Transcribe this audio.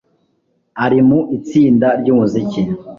Ari mu itsinda ryumuziki